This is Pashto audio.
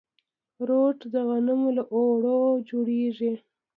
روټ د غنمو له اوړو جوړیږي.